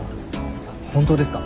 本当ですか？